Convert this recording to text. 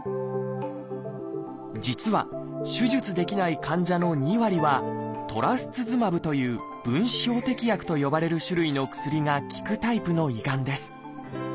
実は手術できない患者の２割は「トラスツズマブ」という「分子標的薬」と呼ばれる種類の薬が効くタイプの胃がんです。